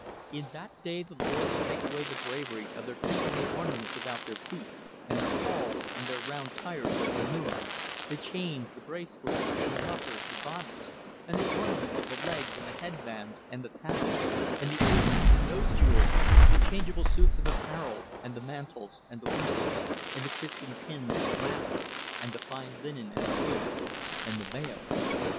In that day the Lord will take away the bravery of their tinkling ornaments about their feet, and their cauls, and their round tires like the moon, the chains, and the bracelets, and the mufflers, the bonnets, and the ornaments of the legs, and the headbands, and the tablets, and the earrings, and nose jewels, the changeable suits of apparel, and the mantles, and the wimples, and the crisping pins, the glasses, and the fine linen, and the hoods, and the veils.